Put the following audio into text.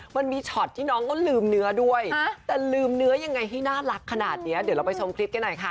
มันมีช็อตที่น้องเขาลืมเนื้อด้วยแต่ลืมเนื้อยังไงให้น่ารักขนาดเนี้ยเดี๋ยวเราไปชมคลิปกันหน่อยค่ะ